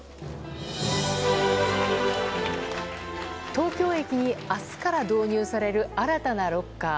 東京駅に明日から導入される新たなロッカー。